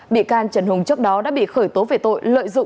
bị can trần hùng trước đó đã bị khởi tố về tội